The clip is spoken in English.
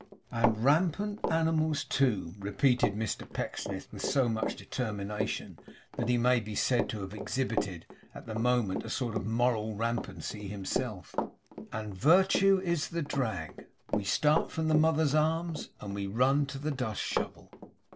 'And rampant animals too' repeated Mr Pecksniff with so much determination, that he may be said to have exhibited, at the moment a sort of moral rampancy himself;' and Virtue is the drag. We start from The Mother's Arms, and we run to The Dust Shovel.